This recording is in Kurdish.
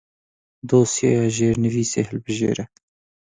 Dosyeya jêrnivîsê hilbijêre.